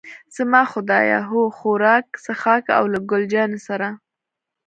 زما خدایه، هو، خوراک، څښاک او له ګل جانې سره.